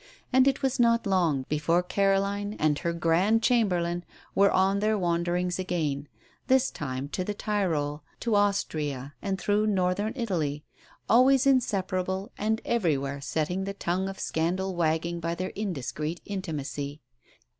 And it was not long before Caroline and her Grand Chamberlain were on their wanderings again this time to the Tyrol, to Austria, and through Northern Italy, always inseparable and everywhere setting the tongue of scandal wagging by their indiscreet intimacy.